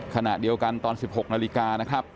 ขณะเดียวกันตอน๑๖นาฬิกานะครับ